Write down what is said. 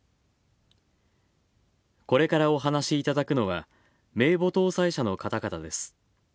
これからお話しいただくのは、名簿登載者の方々です。